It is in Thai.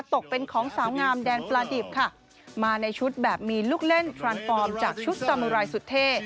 ตกเป็นของสาวงามแดนปลาดิบค่ะมาในชุดแบบมีลูกเล่นฟรานฟอร์มจากชุดสามุรายสุดเท่